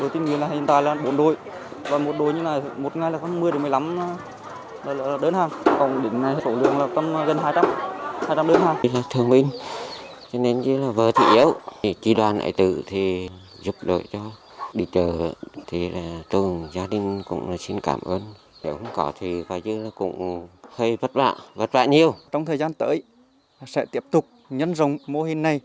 trong thời gian tới sẽ tiếp tục nhân dòng mô hình này